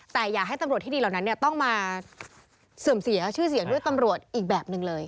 แต่อยากให้ตำรวจที่ดีเหล่านั้นต้องมาเสื่อมเสียชื่อเสียงด้วยตำรวจอีกแบบหนึ่งเลย